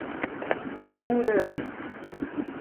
Uraret!